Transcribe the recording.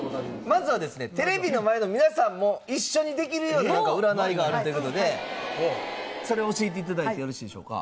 まずはですねテレビの前の皆さんも一緒にできるような占いがあるという事でそれを教えて頂いてよろしいでしょうか？